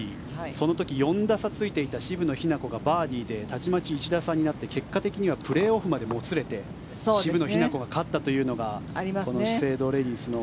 その時、４打差ついていた渋野日向子がバーディーでたちまち１打差になって結果的にはプレーオフまでもつれて渋野日向子が勝ったというのがこの資生堂レディスの